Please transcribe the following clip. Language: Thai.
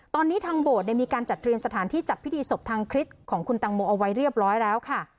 ตอนนี้ทางโบสถ์มีการจัดเตรียมสถานที่จัดพิธีศพทางคริสต์ของคุณตังโมเอาไว้เรียบร้อยแล้วค่ะ